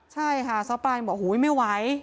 ใช่ค่ะซ้อปลายังบอกหูยไม่ไหว